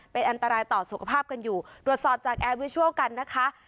เป็นอันตรายต่อสุขภาพกันอยู่ตรวจสอบจากแอร์วิชัลกันนะคะ